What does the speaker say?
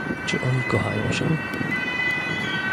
"„Czy oni kochają się?"